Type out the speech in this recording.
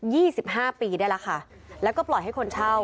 สิบห้าปีได้แล้วค่ะแล้วก็ปล่อยให้คนเช่า